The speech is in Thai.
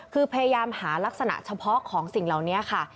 คือพยายามหารักษณะเฉพาะของสิ่งเหล่านี้ค่ะ